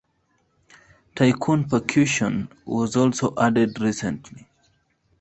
Tycoon Percussion was also added recently.